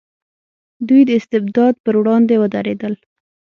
دوی د استبداد پر وړاندې ودرېدل.